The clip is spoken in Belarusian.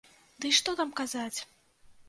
Дый што там казаць!